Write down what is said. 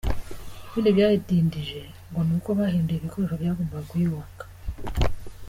Ikindi cyayidindije ngo ni uko bahinduye ibikoresho byagombaga kuyubaka.